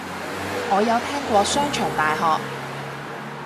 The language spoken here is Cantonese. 我有聽過商場大學